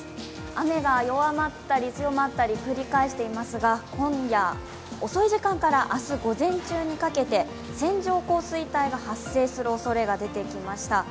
雨が弱まったり強まったりを繰り返していますが、今夜遅い時間から明日午前中にかけて線状降水帯が発生するおそれが出てきました。